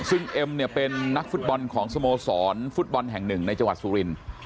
ซึ่งเอ็มเนี่ยเป็นนักฟุตบอลของสโมสรฟุตบอลแห่งหนึ่งในจังหวัดสุรินทร์